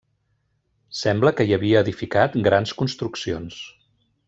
Sembla que hi havia edificat grans construccions.